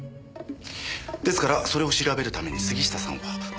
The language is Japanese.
ですからそれを調べるために杉下さんは。